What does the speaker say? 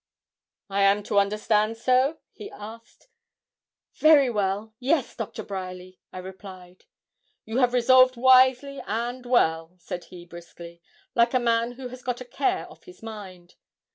'I am to understand so?' he asked. 'Very well yes, Doctor Bryerly,' I replied. 'You have resolved wisely and well,' said he, briskly, like a man who has got a care off his mind.